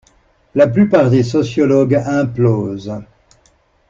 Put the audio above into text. La plupart des sociologues implosent.